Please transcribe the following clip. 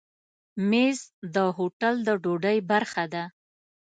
مېز د هوټل د ډوډۍ برخه ده.